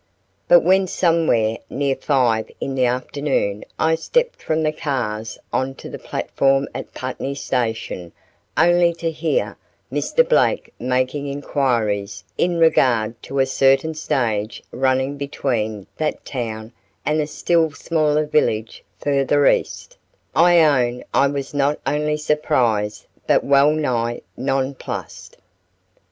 But when somewhere near five in the afternoon I stepped from the cars on to the platform at Putney Station only to hear Mr. Blake making inquiries in regard to a certain stage running between that town and a still smaller village further east, I own I was not only surprised but well nigh nonplussed.